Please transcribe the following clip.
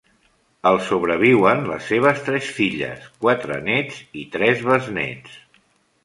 El sobreviuen les seves tres filles, quatre nets i tres besnets.